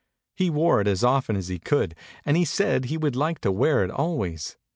He wore it as often as he could, and he said he would like to wear it always.